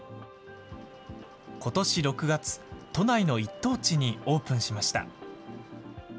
ことし６月、都内の一等地にオープンしました。